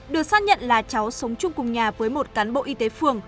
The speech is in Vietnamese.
được xác nhận là cháu sống chung cùng nhà với một cán bộ y tế phường